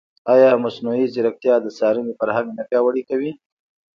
ایا مصنوعي ځیرکتیا د څارنې فرهنګ نه پیاوړی کوي؟